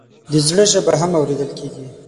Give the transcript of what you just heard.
د زړه ژبه هم اورېدل کېږي.